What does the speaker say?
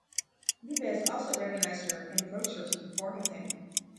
Vives also recognized her and approached her to perform with him.